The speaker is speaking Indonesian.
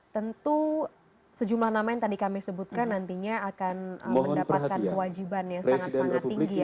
tentu sejumlah nama yang tadi kami sebutkan nantinya akan mendapatkan kewajiban yang sangat sangat tinggi ya